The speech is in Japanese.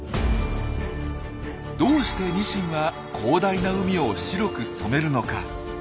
どうしてニシンが広大な海を白く染めるのか？